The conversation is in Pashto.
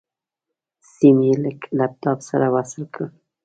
سيم يې له لپټاپ سره وصل کړ.